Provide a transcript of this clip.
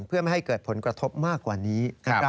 เพื่อไม่ให้เกิดผลกระทบมากกว่านี้